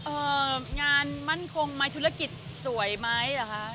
เอ่องานมั่นคงมายธุรกิจสวยไหมอ่ะคะ